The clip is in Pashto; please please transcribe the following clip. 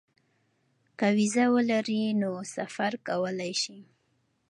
که وېزه ولري نو سفر کولی شي.